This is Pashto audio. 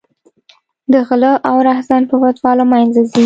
د غله او رحزن په فتوا له منځه ځي.